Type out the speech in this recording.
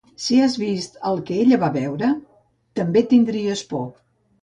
Si has vist el que ella va veure també tindries por